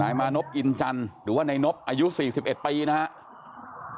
นายมานบอินจันทร์หรือว่าในนบอายุ๔๑ปีนะฮะ